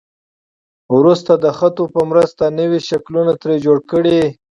وروسته د خطو په مرسته نوي شکلونه ترې جوړ کړئ.